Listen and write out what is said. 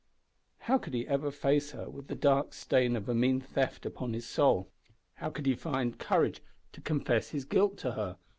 How could he ever face her with the dark stain of a mean theft upon his soul? How could he find courage to confess his guilt to her?